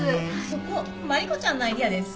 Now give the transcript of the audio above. そこも万理子ちゃんのアイデアです。